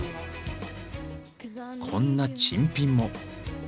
こんな珍品も。